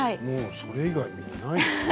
それ以外にないですよね。